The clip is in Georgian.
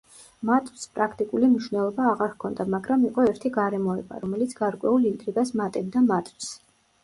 მატჩს პრაქტიკული მნიშვნელობა აღარ ჰქონდა მაგრამ იყო ერთი გარემოება, რომელიც გარკვეულ ინტრიგას მატებდა მატჩს.